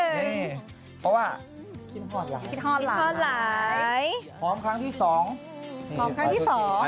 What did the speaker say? เพราะว่าขิ้นหอดหลาย